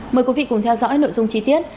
mời quý vị cùng theo dõi nội dung chi tiết